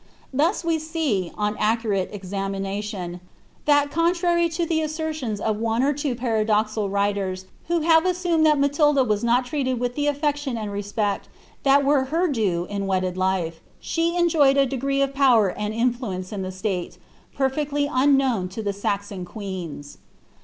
Thus we see, on accurate examination, that, contrary to the assertions of one or two paradoxical writers, who have assumcm that Matilda was not treated with the afiection and respect that were her due in wedded life, she enjoyed a degree of power and influence in the state, perfectly unknown to the Saxon queens.